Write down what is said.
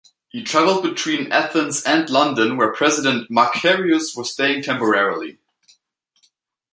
He travelled between Athens and London where President Makarios was staying temporarily.